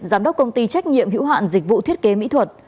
giám đốc công ty trách nhiệm hữu hạn dịch vụ thiết kế mỹ thuật